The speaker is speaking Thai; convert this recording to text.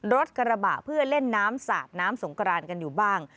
รถกระบะเพื่อเล่นน้ำสาดน้ำสงกรานกันอยู่บ้าง